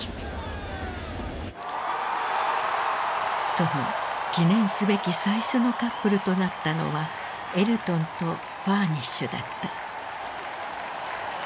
その記念すべき最初のカップルとなったのはエルトンとファーニッシュだった。